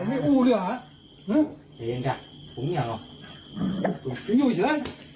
อ่ะอืม